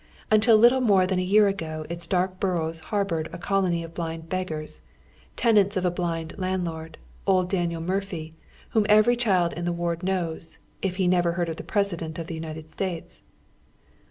Until little more than a year ago its dark burrows harbored a colony of blind beggars, tenants of a blind landlord, old Daniel Murphy, whom every cliilji in the ward knows, if he never heard of the President of the United States.